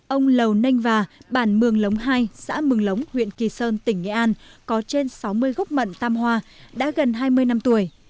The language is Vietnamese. ông lầu nênh và bản mường lống hai xã mường lống huyện kỳ sơn tỉnh nghệ an có trên sáu mươi gốc mận tam hoa đã gần hai mươi năm tuổi